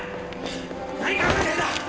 何考えてんだ！